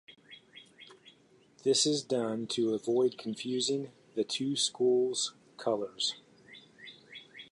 This is done to avoid confusing the two schools' colors.